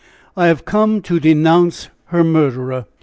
"I have come to denounce her murderer."